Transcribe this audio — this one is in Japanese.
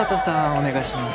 お願いします。